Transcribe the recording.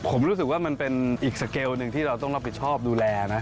ผมรู้สึกว่ามันเป็นอีกสเกลหนึ่งที่เราต้องรับผิดชอบดูแลนะ